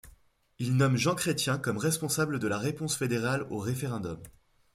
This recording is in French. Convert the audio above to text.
Il nomme Jean Chrétien comme responsable de la réponse fédérale au référendum.